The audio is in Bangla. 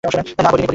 না, বলিনি।